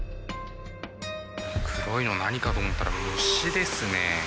黒いの何かと思ったら虫ですね。